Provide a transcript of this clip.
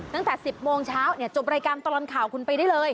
ตั้งแต่๑๐โมงเช้าจบรายการตลอดข่าวคุณไปได้เลย